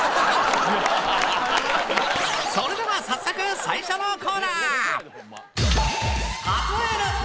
それでは早速最初のコーナー！